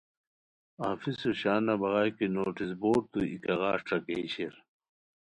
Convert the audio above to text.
افسو شانہ بغائے کی نوٹس بورڈتو ای کاغذ ݯاکئے شیر